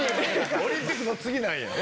オリンピックの次なんや。